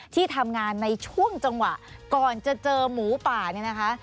ที่ทำงานในช่วงจังหวะก่อนจะเจอหมูป่าเนี่ยนะคะ